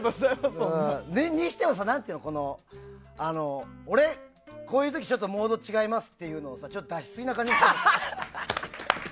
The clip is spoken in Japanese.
それにしても、俺、こういう時ちょっとモード違いますっていうのをちょっと出しすぎな感じがして。